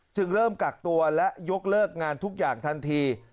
จึงเริ่มกักตัวและยกเลิกงานทุกอย่างทันที